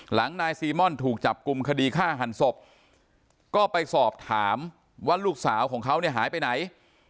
นายซีม่อนถูกจับกลุ่มคดีฆ่าหันศพก็ไปสอบถามว่าลูกสาวของเขาเนี่ยหายไปไหน